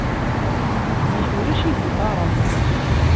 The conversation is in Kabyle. Zik ulac igiṭaren.